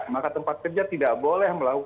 maka tempat kerja tidak boleh melakukan